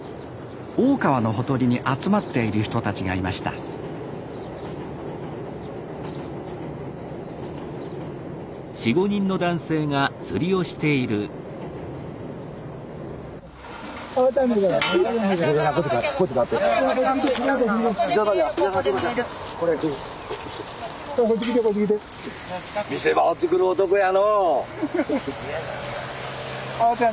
大川のほとりに集まっている人たちがいましたこっち来てこっち来て。